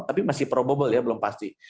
tapi masih probable ya belum pasti